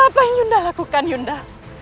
apa yang yunda lakukan yunda